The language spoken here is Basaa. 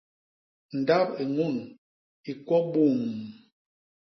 Ndap i ñun i ñkwo buum!